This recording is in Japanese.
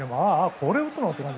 これを打つの？って感じ。